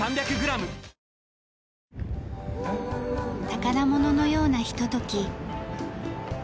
宝物のようなひととき。